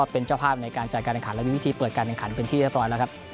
เป็นเจ้าภาพในการจัดการเอนขันและมีวิธีเปิดการเอนขันเป็นที่เรียบร้อย